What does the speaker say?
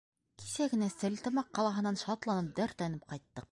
— Кисә генә Стәрлетамаҡ ҡалаһынан шатланып, дәртләнеп ҡайттыҡ.